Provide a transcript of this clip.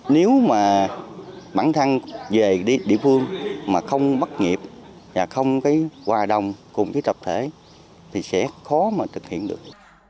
nếu mà bản thân về địa phương mà không bắt nghiệp và không qua đồng cùng trập thể thì sẽ khó mà thực hiện được